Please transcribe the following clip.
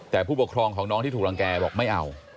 แต่ผู้ปกครองของน้องที่ถูกรังแก่บอกไม่เอา